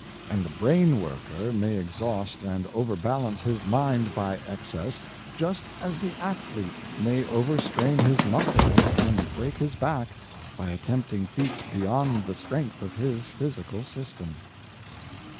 And the brain worker may ex haust and overbalance 'his mind by excess, just as the athlete may overstrain his muscles and break his back by attempting feats beyond the strength of his physical system.